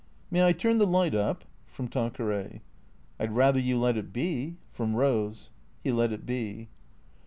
" May I turn the light up? " (From Tanqueray.) "I'd rather you let it be?" (From Rose.) He let it be.